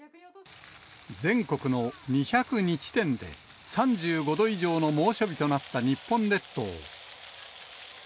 全国の２０２地点で３５度以上の猛暑日となった日本列島。